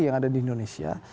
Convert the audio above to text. yang ada di indonesia